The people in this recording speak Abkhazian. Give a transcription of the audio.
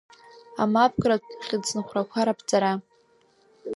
Амапкратә хьыӡцынхәрақәа раԥҵара…